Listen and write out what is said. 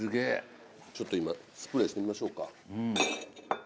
ちょっと今スプレーしてみましょうか。